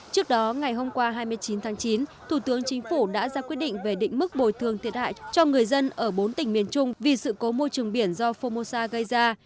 trước đó ngày hôm qua hai mươi chín tháng chín thủ tướng chính phủ đã ra quyết định về định mức bồi thường thiệt hại cho người dân ở bốn tỉnh miền trung vì sự cố môi trường biển do formosa gây ra